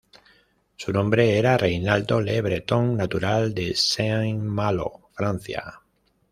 Su nombre era Reinaldo Le Breton, natural de Saint-Malo, Francia.